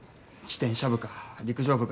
自転車部か陸上部か。